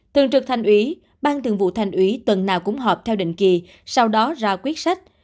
thường trực thành ủy ban thường vụ thành ủy tuần nào cũng họp theo định kỳ sau đó ra quyết sách